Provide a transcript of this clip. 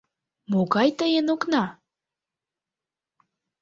Могай тыйын окна?